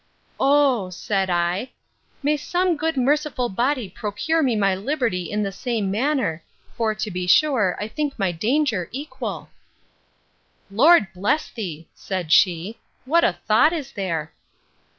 O! said I, may some good merciful body procure me my liberty in the same manner; for to be sure, I think my danger equal! Lord bless thee! said she, what a thought is there!